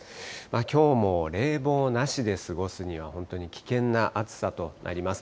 きょうも冷房なしで過ごすには、本当に危険な暑さとなります。